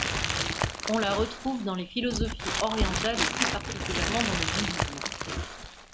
On la retrouve dans les philosophies orientales, et plus particulièrement dans le bouddhisme.